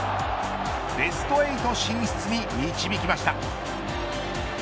ベスト８進出に導きました。